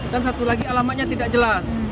dan satu lagi alamatnya tidak jelas